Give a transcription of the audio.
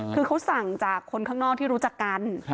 คือเขาสั่งจากคนข้างนอกที่รู้จักกัน